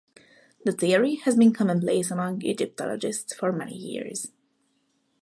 The theory has been commonplace among Egyptologists for many years.